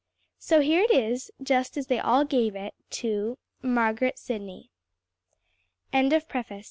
So here it is, just as they all gave it to MARGARET SIDNEY. CONTENTS CHA